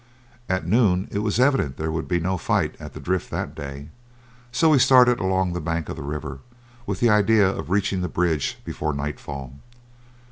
At noon it was evident there would be no fight at the drift that day, so we started along the bank of the river, with the idea of reaching the bridge before nightfall.